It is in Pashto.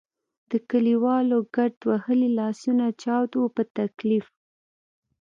د کلیوالو ګرد وهلي لاسونه چاود وو په تکلیف.